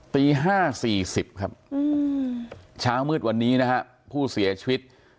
ตี๕๔๐ครับเช้ามืดวันนี้นะฮะผู้เสียชีวิต